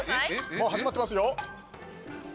もう始まってますよ。